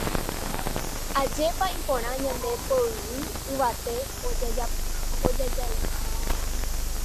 Ajépa iporã ñande poyvi yvate ojajáiva.